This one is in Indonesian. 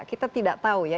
kita tidak tahu ya